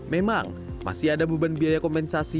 memang masih ada beban biaya kompensasi